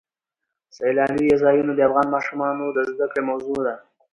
سیلاني ځایونه د افغان ماشومانو د زده کړې موضوع ده.